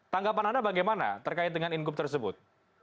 tanggapan anda bagaimana terkait dengan ingup tersebut